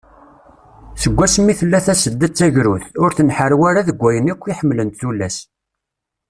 Segmi tella Tasedda d tagrudt, ur tenḥarwi ara deg wayen akk i ḥemmlent tullas.